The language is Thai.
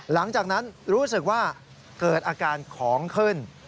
หลังจากนั้นรู้สึกว่าเกิดอาการของขึ้น